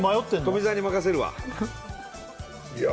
富澤に任せるわいや